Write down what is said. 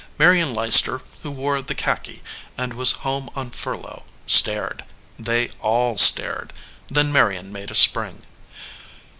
Marion Leicester, who wore the khaki and was home on furlough, stared. They all stared. Then Marion made a spring.